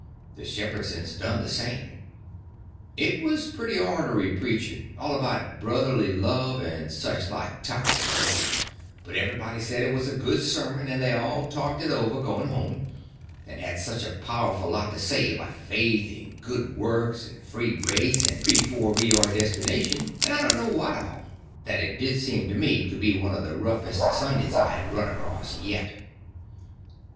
The Shepherdsons done the same. It was pretty ornery preaching—all about brotherly love, and such like tiresomeness; but everybody said it was a good sermon, and they all talked it over going home, and had such a powerful lot to say about faith and good works and free grace and preforeordestination, and I don't know what all, that it did seem to me to be one of the roughest Sundays I had run across yet.